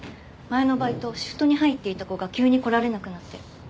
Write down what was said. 前のバイトシフトに入っていた子が急に来られなくなって。